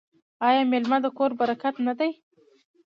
آیا میلمه د کور برکت نه دی؟